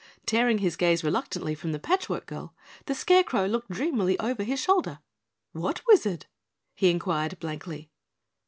Tearing his gaze reluctantly from the Patch Work Girl, the Scarecrow looked dreamily over his shoulder. "WHAT WIZARD?" he inquired blankly.